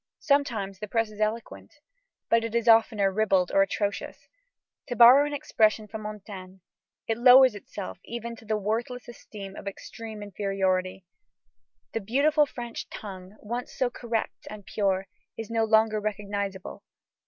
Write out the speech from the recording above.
Sometimes the press is eloquent, but it is oftener ribald or atrocious. To borrow an expression from Montaigne, "it lowers itself even to the worthless esteem of extreme inferiority." The beautiful French tongue, once so correct and pure, is no longer recognizable.